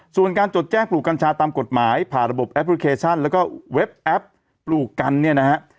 ส่วนการจดแจ้งปลูกกัญชาตามกฎหมายผ่าระบบแอปพลูกกัญชาและเว็บแอปปลูกกัญชา